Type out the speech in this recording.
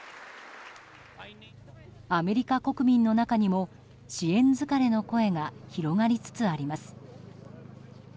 アメリカ国民の中にも支援疲れの声が広がりつつあります。